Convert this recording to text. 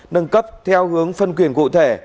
nâng cấp theo hướng phân quyền cụ thể